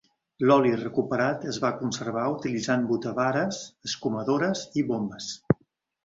L"oli recuperat es va conservar utilitzant botavares, escumadores i bombes.